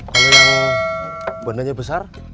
kalau yang bandanya besar